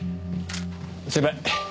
先輩。